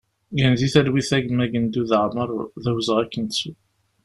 Gen di talwit a gma Gendud Amar, d awezɣi ad k-nettu!